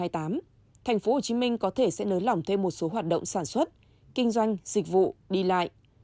tp hcm có thể sẽ nới lỏng thêm một số hoạt động sản xuất kinh doanh dịch vụ đi lại